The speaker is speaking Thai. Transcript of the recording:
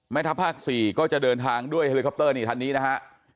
ทัพภาค๔ก็จะเดินทางด้วยเฮลิคอปเตอร์นี่ท่านนี้นะฮะ